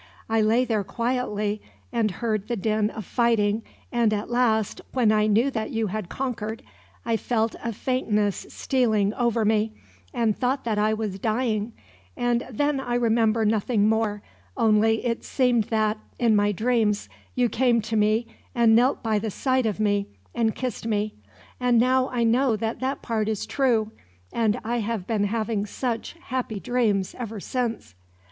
I lay there quietly, and heard the din of fighting; and at last, when I knew that you had conquered, I felt a faintness stealing over me, and thought that I was dying; and then I remember nothing more, only it seemed that, in my dreams, you came to me and knelt by the side of me and kissed me; and now I know that that part is true, and I have been having such happy dreams, ever since.